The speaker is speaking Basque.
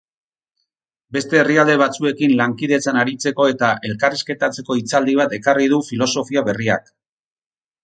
Beste herrialde batzuekin lankidetzan aritzeko eta elkarrizketatzeko hitzaldi bat ekarri du filosofia berriak.